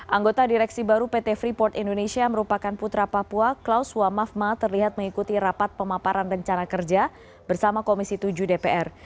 anggota direksi baru pt freeport indonesia merupakan putra papua klaus wamafma terlihat mengikuti rapat pemaparan rencana kerja bersama komisi tujuh dpr